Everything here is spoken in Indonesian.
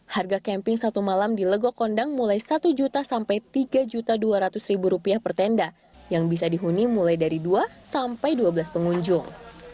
harga camping satu malam di legokondang mulai satu juta sampai tiga juta dua ratus ribu rupiah per tenda yang bisa dihuni mulai dari dua sampai dua belas pengunjung